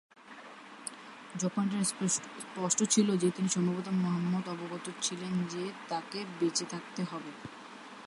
যখন এটা স্পষ্ট ছিল যে, তিনি সম্ভবত মুহাম্মদ অবগত ছিলেন যে তাকে বেঁচে থাকতে হবে।